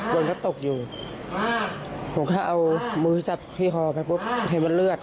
คนก็ตกอยู่ผมแค่เอามือจับที่คอไปปุ๊บเห็นมันเลือด